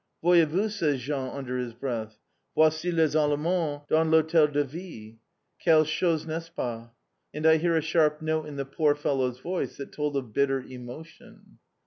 "Voyez vous!" says Jean under his breath. "Voici les Allemands dans l'Hôtel de Ville! Quel chose n'est ce pas!" And I hear a sharp note in the poor fellow's voice that told of bitter emotion.